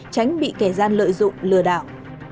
tránh bị kẻ gian lợi dụng lừa đảo